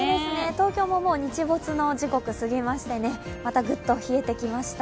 東京ももう日没の時刻過ぎましてまたグッと冷えてきました。